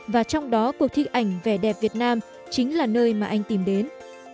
và trong đó cuộc thi ảnh vẻ đẹp việt nam chính là nơi mà anh tìm đến